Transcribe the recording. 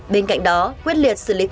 bên cạnh đó quyết liệt xử lý vỉa hè